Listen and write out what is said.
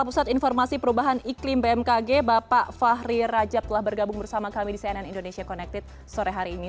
biar rajab telah bergabung bersama kami di cnn indonesia connected sore hari ini